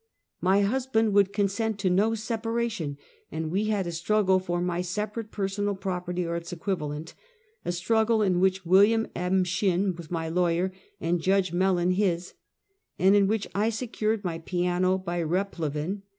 My husband would consent to no separation, and we had a struggle for my separate, personal property or its equivalent; a struggle in whicli Wm. M. Shinn. was my lawyer, and Judge Mellon his, and in which I secured my piano by replevin.